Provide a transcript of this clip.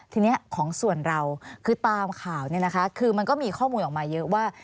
ทีนี้ของส่วนเราคือตามข่าวเนี่ยนะคะคือมันก็มีข้อมูลออกมาเยอะว่า